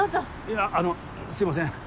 いやあのすいません。